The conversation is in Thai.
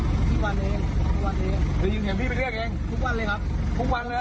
ทุกวันเลยเองทุกวันเลยเองไปยินเสียงพี่ไปเรียกเองทุกวันเลยครับ